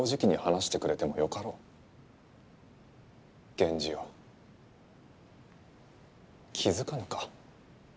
源氏よ気付かぬか？